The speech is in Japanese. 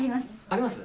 あります？